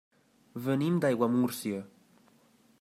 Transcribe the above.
Venim d'Aiguamúrcia.